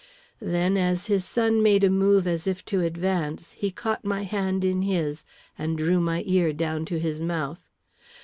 Then, as his son made a move as if to advance, he caught my hand in his, and drew my ear down to his mouth.